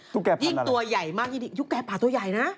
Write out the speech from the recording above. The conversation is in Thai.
ยิ่งตัวใหญ่มากยิ่งตุ๊กแก่ป่าตัวใหญ่นะ